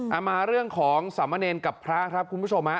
มาเรื่องของสามเณรกับพระครับคุณผู้ชมฮะ